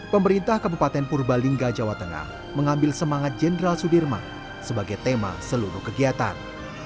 pemerintah kabupaten purbalingga jawa tengah mengambil semangat jenderal sudirman sebagai tema seluruh kegiatan